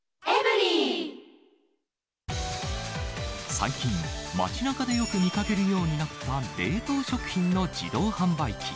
最近、街なかでよく見かけるようになった冷凍食品の自動販売機。